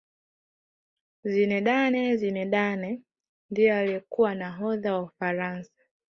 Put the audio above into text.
zinedine zidane ndiye aliyekuwa nahodha wa ufaransa